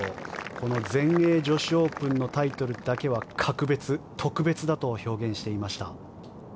この全英女子オープンのタイトルだけは格別、特別だと表現していました。